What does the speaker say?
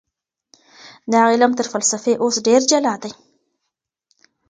دا علم تر فلسفې اوس ډېر جلا دی.